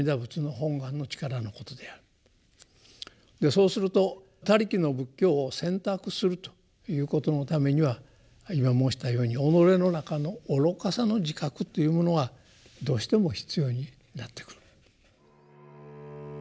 そうすると「他力」の仏教を選択するということのためには今申したように己の中の愚かさの自覚というものがどうしても必要になってくる。